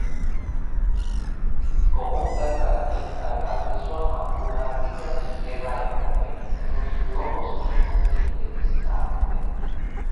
Como un ver paladin cargante su armatura ille attingeva, inter periculos, locos incognite, distante.